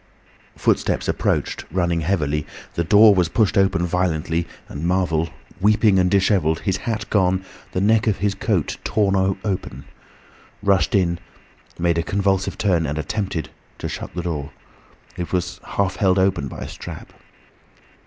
Footsteps approached, running heavily, the door was pushed open violently, and Marvel, weeping and dishevelled, his hat gone, the neck of his coat torn open, rushed in, made a convulsive turn, and attempted to shut the door. It was held half open by a strap.